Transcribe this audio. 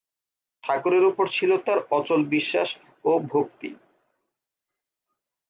ঠাকুরের উপর ছিল তার অচল বিশ্বাস ও ভক্তি।